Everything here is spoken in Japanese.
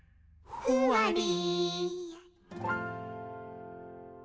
「ふわり」